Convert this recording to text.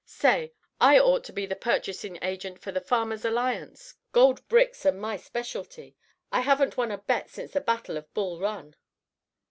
Say! I ought to be the purchasing agent for the Farmers' Alliance; gold bricks are my specialty. I haven't won a bet since the battle of Bull Run."